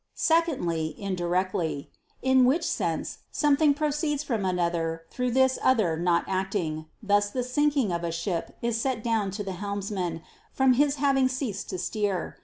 Secondly, indirectly; in which sense something proceeds from another through this other not acting; thus the sinking of a ship is set down to the helmsman, from his having ceased to steer.